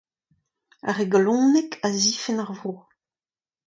Ar re galonek a zifenn ar vro.